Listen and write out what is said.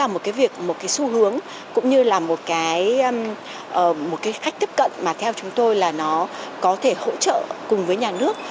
một cái việc một cái xu hướng cũng như là một cái khách tiếp cận mà theo chúng tôi là nó có thể hỗ trợ cùng với nhà nước